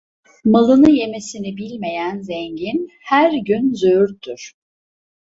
Malını yemesini bilmeyen zengin her gün züğürttür.